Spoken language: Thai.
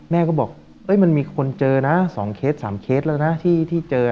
แม่ก็บอกมันมีคนเจอนะ๒เคส๓เคสแล้วนะที่เจอ